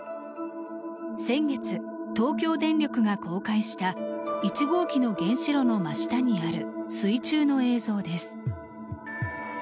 先月、東京電力が公開した１号機の原子炉の真下にある水中の映像です。